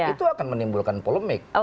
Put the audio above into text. itu akan menimbulkan polemik